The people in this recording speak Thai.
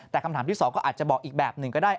แต่คำถามที่สองก็อาจจะบอกอีกแบบหนึ่งก็ได้